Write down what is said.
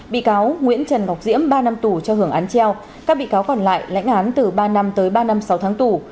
bị cáo nguyễn trần ngọc diễm ba năm tù cho hưởng án treo các bị cáo còn lại lãnh án từ ba năm tới ba năm sáu tháng tù